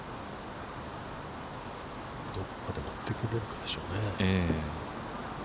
どこまで持ってくるかでしょうね。